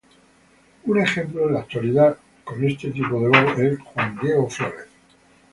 Un ejemplo en la actualidad con este tipo de voz es "Juan Diego Florez".